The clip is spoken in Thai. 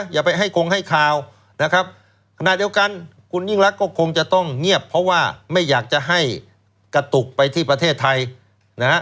อย่าไปให้คงให้ข่าวนะครับขณะเดียวกันคุณยิ่งรักก็คงจะต้องเงียบเพราะว่าไม่อยากจะให้กระตุกไปที่ประเทศไทยนะฮะ